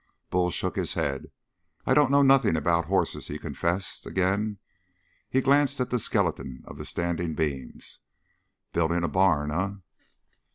Bull shook his head. "I don't know nothing about horses," he confessed again. He glanced at the skeleton of standing beams. "Building a barn, eh?"